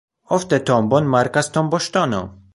Ofte tombon markas tomboŝtono.